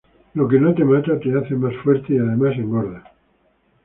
Lo que no te mata te hace más fuerte y además engorda.